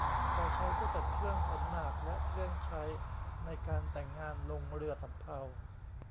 ฝ่ายชายก็จัดเครื่องขันหมากและเครื่องใช้ในการแต่งงานลงเรือสำเภา